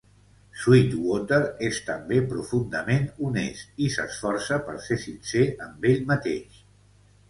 Sweetwater és també profundament honest i s'esforça per ser sincer amb ell mateix.